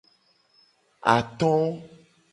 Ato.